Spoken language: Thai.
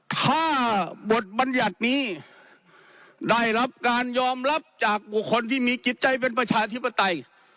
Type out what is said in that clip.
ถ้าบทบัญญัตินี้ได้รับการยอมรับจากบุคคลที่มีจิตใจเป็นประชาธิปไตย